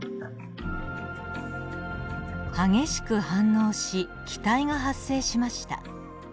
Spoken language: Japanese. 激しく反応し気体が発生しました。